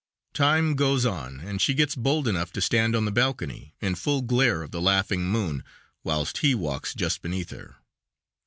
_ Time goes on, and she gets bold enough to stand on the balcony, in full glare of the laughing moon, whilst he walks just beneath her.